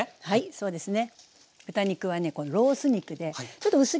そうですね